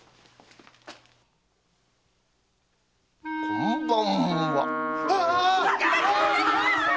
こんばんは。